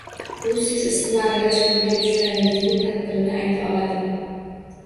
U siz isitma aralash ko’rgan tushlaringizning ta’birini ayta oladi.